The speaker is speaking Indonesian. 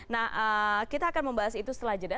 nah kita akan membahas itu setelah jeda